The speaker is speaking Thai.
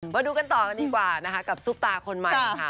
มาดูกันต่อกันดีกว่านะคะกับซุปตาคนใหม่ค่ะ